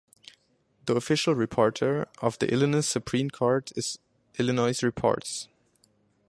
The official reporter of the Illinois Supreme Court is "Illinois Reports".